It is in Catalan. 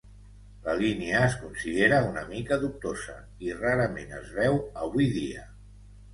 La línia es considera una mica dubtosa i rarament es veu avui dia.